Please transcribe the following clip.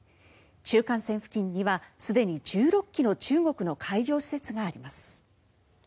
中間線付近にはすでに１６基の中国の海上施設があります。